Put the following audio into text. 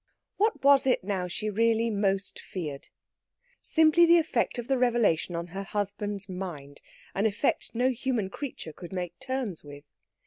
What was it now she really most feared? Simply the effect of the revelation on her husband's mind an effect no human creature could make terms with.